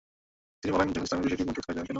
তিনি বলেন, যখন ইসলামের বিষয়টি মজবুত হয়ে গেল।